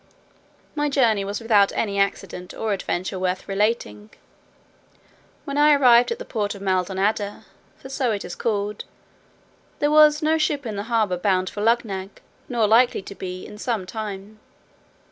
My journey was without any accident or adventure worth relating. When I arrived at the port of Maldonada (for so it is called) there was no ship in the harbour bound for Luggnagg, nor likely to be in some time.